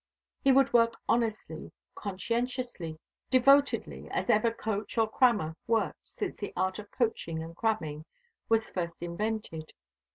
He would work honestly, conscientiously, devotedly as ever coach or crammer worked since the art of coaching and cramming was first invented.